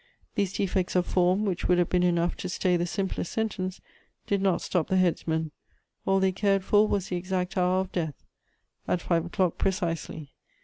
These defects of form, which would have been enough to stay the simplest sentence, did not stop the headsmen; all they cared for was the exact hour of death: "at five o'clock precisely."